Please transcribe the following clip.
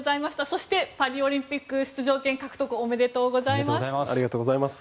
そしてパリオリンピック出場権獲得ありがとうございます。